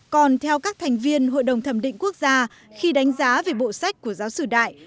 còn theo các thành viên hội đồng thẩm định quốc gia khi đánh giá về bộ sách của giáo sử đại